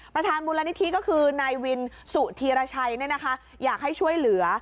ประธานมูลนิธิก็คือนายวินสุธีรชัยอยากให้ช่วยเหลือ